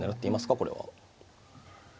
これは。